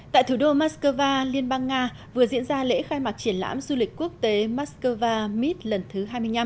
tại thủ đô moscow liên bang nga vừa diễn ra lễ khai mạc triển lãm du lịch quốc tế moscow mit lần thứ hai mươi năm